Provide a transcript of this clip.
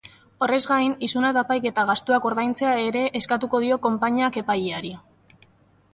Horrez gain, isuna eta epaiketa gastuak ordaintzea ere eskatuko dio konpainiak epaileari.